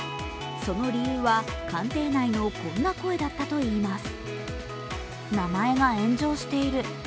その理由は、官邸内のこんな声だったといいます。